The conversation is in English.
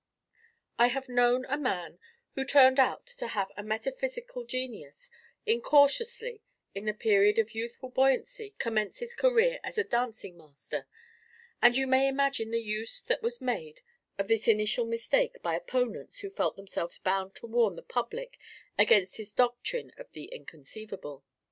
I have known a man who turned out to have a metaphysical genius, incautiously, in the period of youthful buoyancy, commence his career as a dancing master; and you may imagine the use that was made of this initial mistake by opponents who felt themselves bound to warn the public against his doctrine of the Inconceivable.